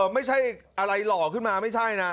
ไม่ใช่อะไรหล่อขึ้นมาไม่ใช่นะ